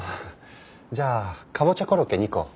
じゃあかぼちゃコロッケ２個持ち帰りで。